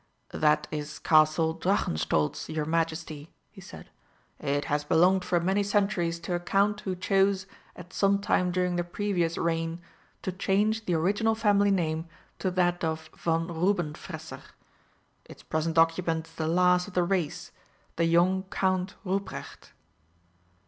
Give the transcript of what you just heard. "That is Castle Drachenstolz, your Majesty," he said. "It has belonged for many centuries to a Count who chose, at some time during the previous reign, to change the original family name to that of von Rubenfresser. It's present occupant is the last of the race, the young Count Ruprecht."